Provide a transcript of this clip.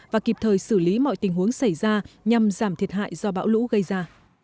và kịp thời xử lý mọi tình huống xảy ra nhằm giảm thiệt hại do bão lũ gây ra